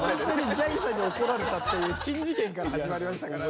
ジャニーさんに怒られたっていう珍事件から始まりましたからね。